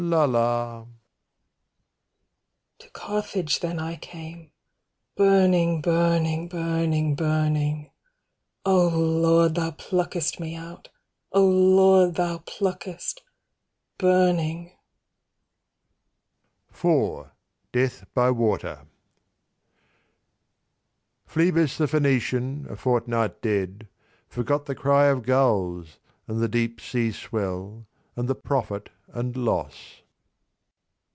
la la To Carthage then I came Burning burning burning burning O Lord Thou pluckest me out O Lord Thou pluckest 310 burning IV. DEATH BY WATER Phlebas the Phoenician, a fortnight dead, Forgot the cry of gulls, and the deep sea swell And the profit and loss.